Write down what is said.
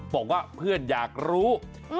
บอกว่าเพื่อนอยากรู้